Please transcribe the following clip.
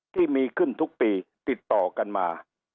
ที่มีขึ้นทุกปีติดต่อกันมา